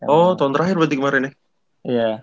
oh tahun terakhir berarti kemaren ya